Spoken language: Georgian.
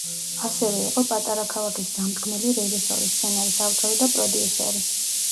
ასევე იყო „პატარა ქალაქის“ დამდგმელი რეჟისორი, სცენარის ავტორი და პროდიუსერი.